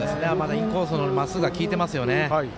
インコースのまっすぐが効いてますよね。